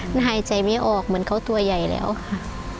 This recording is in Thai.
มันหายใจไม่ออกเหมือนเขาตัวใหญ่แล้วค่ะ